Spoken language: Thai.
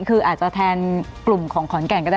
คืออาจจะแทนกลุ่มของขอนแก่นก็ได้